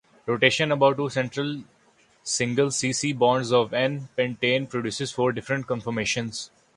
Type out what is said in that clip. Rotation about two central single C-C bonds of "n"-pentane produces four different conformations.